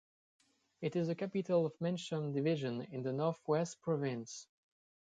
It is the capital of Menchum division in the Northwest Province.